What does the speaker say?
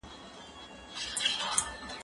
نان وخوره،